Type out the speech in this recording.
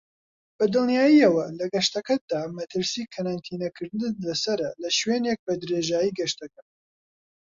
بەدڵنیاییەوە لە گەشتەکەتدا مەترسی کەرەنتینە کردنت لەسەرە لەشوێنێک بەدرێژایی گەشتەکە.